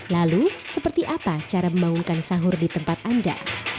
lalu seperti apa cara membangunkan sahur di tempat anda